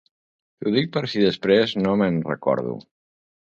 T'ho dic per si després no me'n recordo.